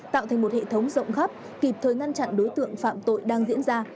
tạo thành một hệ thống rộng khắp kịp thời ngăn chặn đối tượng phạm tội đang diễn ra